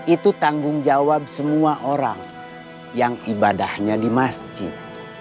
itu tanggung jawab semua orang yang ibadahnya di masjid